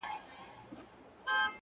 • خو یو عیب چي یې درلود ډېره غپا وه ,